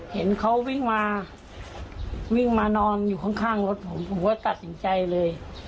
เห็นเขาวิ่งมาวิ่งมานอนอยู่ข้างรถผมผมก็ตัดสินใจเลย